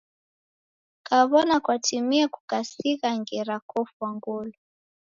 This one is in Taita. Kaw'ona kwatimie kukasigha ngera kofwa ngolo.